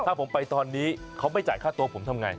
ถ้าผมไปตอนนี้เขาไม่จ่ายค่าตัวผมทำไง